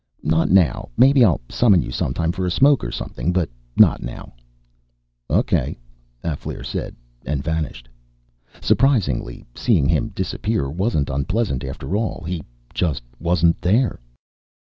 "Not now. Maybe I'll summon you sometime for a smoke or something. But not now!" "Okay," Alféar said, and vanished. Surprisingly, seeing him disappear wasn't unpleasant, after all. He just wasn't there.